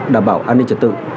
đảm bảo an ninh trật tự